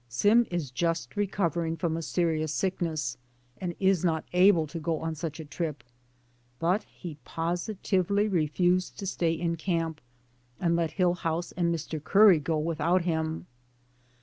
Sim is just recov ering from a severe sickness, and is not able to go on such a trip, but he positively refused to stay in camp and let Hillhouse and Mr. Curry go without him.